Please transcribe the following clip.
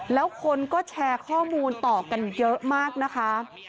แล้วคนก็แชร์ข้อมูลต่อกันเยอะมากนะคะ